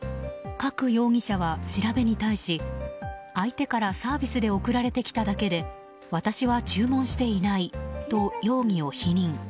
カク容疑者は調べに対し相手からサービスで送られてきただけで私は注文していないと容疑を否認。